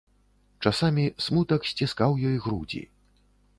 Часамі смутак сціскаў ёй грудзі.